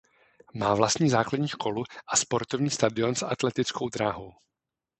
Má vlastní základní školu a sportovní stadion s atletickou dráhou.